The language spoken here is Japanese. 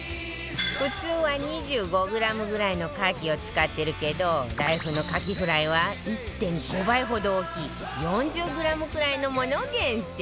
普通は２５グラムぐらいのカキを使ってるけどライフのかきフライは １．５ 倍ほど大きい４０グラムくらいのものを厳選